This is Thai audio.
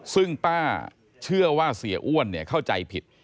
ซึ่งป้าเชื่อว่าเสียอ้วนเข้าใจผิด